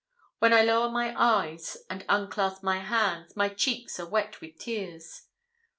When I lower my eyes and unclasp my hands, my cheeks are wet with tears.